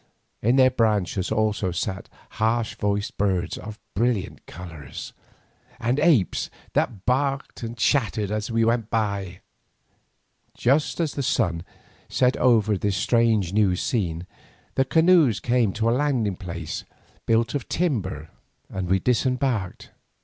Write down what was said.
In their branches also sat harsh voiced birds of brilliant colours, and apes that barked and chattered at us as we went. Just as the sun set over all this strange new scene the canoes came to a landing place built of timber, and we disembarked.